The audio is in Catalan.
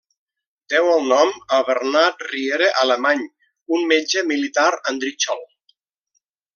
Deu el nom a Bernat Riera Alemany, un metge militar andritxol.